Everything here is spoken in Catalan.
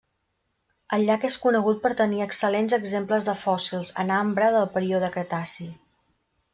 El llac és conegut per tenir excel·lents exemples de fòssils en ambre del període cretaci.